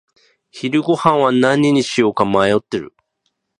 昼ごはんは何にしようか迷っている。